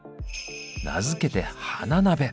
名付けて「花鍋」。